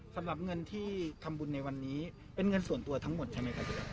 สำหรับเงินที่ทำบุญในวันนี้เป็นเงินส่วนตัวทั้งหมดใช่ไหมครับ